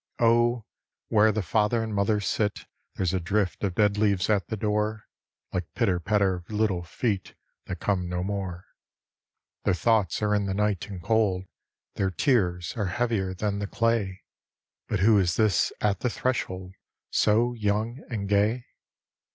Oh, where the father and mother sit There's a drift of dead leaves at the door Like pitter patter of little feet That come no more. Their thoughts arc in the night and cold. Their tears arc heavier than the clay. But who is this at the threshold ' So young and gay?